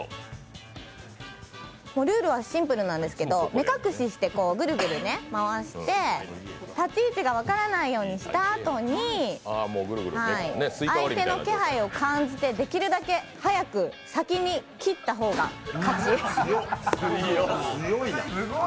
ルールはシンプルなんですけど、目隠ししてグルグル回して立ち位置が分からないようにしたあとに相手の気配を感じてできるだけ早く先に斬った方が勝ち。